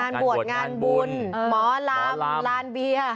งานบวชงานบุญหมอลำลานเบียร์